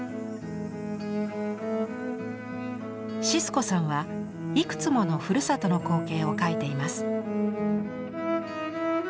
シスコさんはいくつものふるさとの光景を描いています。